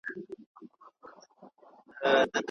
که يو چا د طلاق نيت کړی وو؛ خو تلفظ ئې نه وو کړی.